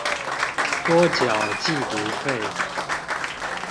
多繳寄讀費